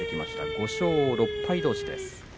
５勝６敗どうしです。